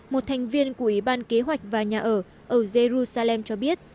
một thành viên của ủy ban kế hoạch và nhà ở ở jerusalem cho biết